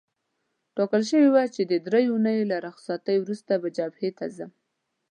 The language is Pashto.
ټاکل شوې وه چې د دریو اونیو له رخصتۍ وروسته به جبهې ته ځم.